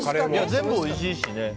全部おいしいしね。